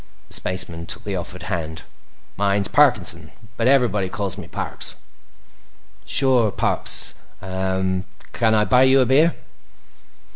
The spaceman took the offered hand. "Mine's Parkinson, but everybody calls me Parks." "Sure, Parks. Uh—can I buy you a beer?"